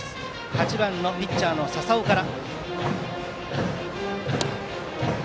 ８番のピッチャーの笹尾から。